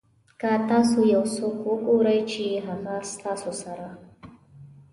که تاسو یو څوک وګورئ چې هغه ستاسو سره.